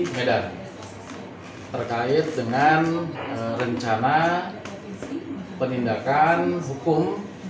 pemerintah negeri medan terkait dengan rencana penindakan hukum